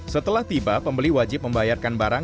setelah tiba pembeli wajib membayarkan barang